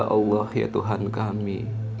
ya allah ya tuhan kami